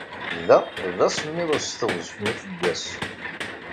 Da, d asemmiḍ s teɣzef n useggas.